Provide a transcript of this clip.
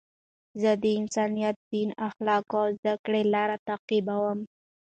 زه د انسانیت، دین، اخلاقو او زدهکړي لار تعقیبوم.